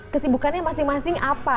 kesibukannya masing masing apa